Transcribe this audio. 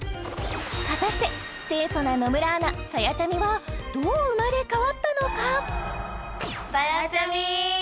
果たして清楚な野村アナさやちゃみはどう生まれ変わったのか？